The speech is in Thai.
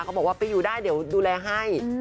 เขาบอกว่าไปอยู่ได้เดี๋ยวดูแลให้